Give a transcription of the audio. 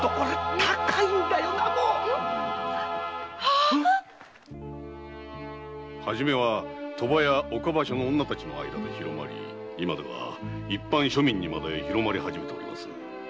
あ⁉あ⁉初めは賭場や岡場所の間で広まり今では一般庶民にまで広まり始めております。